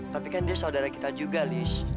tapi kan dia saudara kita juga lis